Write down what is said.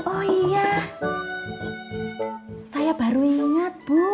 oh iya saya baru ingat bu